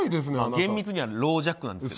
厳密にはロージャックなんですけど。